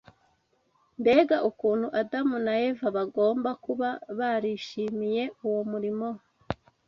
Mbega ukuntu Adamu na Eva bagomba kuba barishimiye uwo murimo!